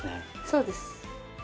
そうです。